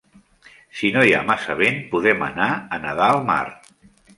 Si no hi ha massa vent, podem anar a nedar al mar.